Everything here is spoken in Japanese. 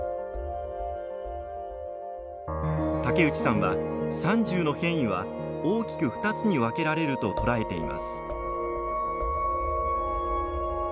武内さんは、３０の変異は大きく２つに分けられると捉えています。